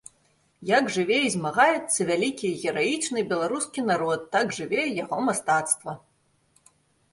Як жыве і змагаецца вялікі і гераічны беларускі народ, так жыве і яго мастацтва.